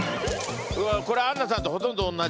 これアンナさんとほとんど同じ。